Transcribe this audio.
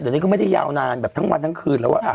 เดี๋ยวนี้ก็ไม่ได้ยาวนานแบบทั้งวันทั้งคืนแล้ว